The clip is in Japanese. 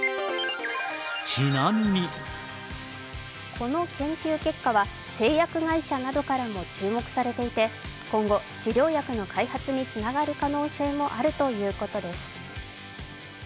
この研究結果は製薬会社などからも注目されていて今後、治療薬の開発につながる可能性もあるということです。